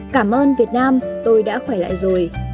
cảm ơn việt nam tôi đã khỏe lại rồi